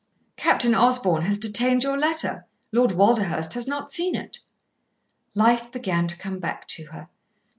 "Captain Osborn has detained your letter. Lord Walderhurst has not seen it." Life began to come back to her.